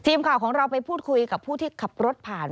ทีมข่าวของเราไปพูดคุยกับผู้ที่ขับรถผ่าน